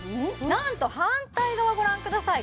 なんと反対側ご覧ください